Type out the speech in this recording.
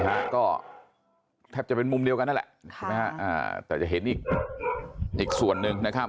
ฮะก็แทบจะเป็นมุมเดียวกันแล้วแหละแต่จะเห็นอีกส่วนหนึ่งนะครับ